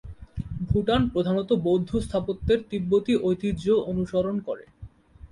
ভুটান প্রধানত বৌদ্ধ স্থাপত্যের তিব্বতি ঐতিহ্য অনুসরণ করে।